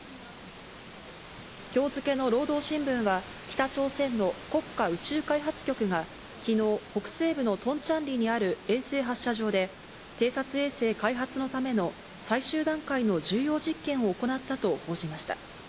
今日付けの労働新聞は北朝鮮の国家宇宙開発局が昨日、北西部のトンチャンリにある衛星発射場で偵察衛星開発のための最終段階の重要実験を行ったと報じました。